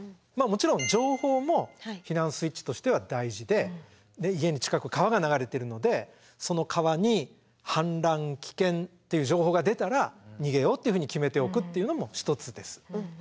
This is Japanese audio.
もちろん情報も避難スイッチとしては大事で家の近くを川が流れているのでその川に氾濫危険っていう情報が出たら逃げようっていうふうに決めておくっていうのも一つです。